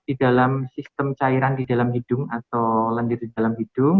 di dalam sistem cairan di dalam hidung atau lendir di dalam hidung